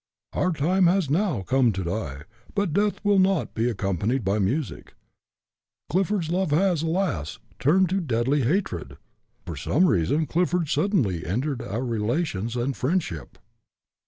Our time has now come to die, but death will not be accompanied by music. Clifford's love has, alas! turned to deadly hatred. For some reason Clifford suddenly ended our relations and friendship."